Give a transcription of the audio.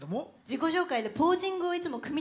自己紹介でポージングをいつも組み